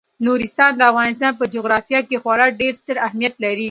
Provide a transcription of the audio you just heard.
نورستان د افغانستان په جغرافیه کې خورا ډیر ستر اهمیت لري.